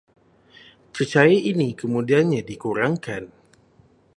Cecair ini kemudiannya dikurangkan